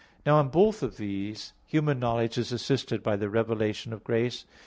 Now in both of these, human knowledge is assisted by the revelation of grace.